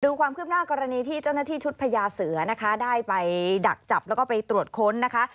ความคืบหน้ากรณีที่เจ้าหน้าที่ชุดพญาเสือนะคะได้ไปดักจับแล้วก็ไปตรวจค้นนะคะ